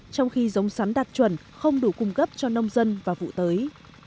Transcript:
trong khi giống sắn đạt chuẩn không đủ cung cấp cho nông dân và vụ tới